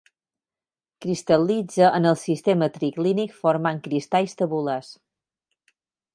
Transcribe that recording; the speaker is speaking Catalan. Cristal·litza en el sistema triclínic formant cristalls tabulars.